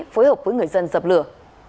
phối hợp với người dân dập lửa